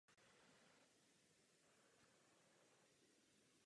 V jeho středu se nachází budova Chorvatského národního divadla.